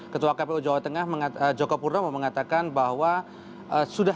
ketua kpu jawa tengah joko purno mengatakan bahwa